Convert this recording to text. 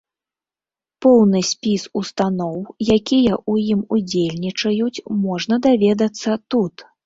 Поўны спіс устаноў, якія ў ім удзельнічаюць, можна даведацца тут.